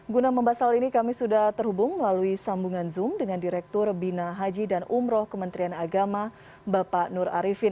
guna membahas hal ini kami sudah terhubung melalui sambungan zoom dengan direktur bina haji dan umroh kementerian agama bapak nur arifin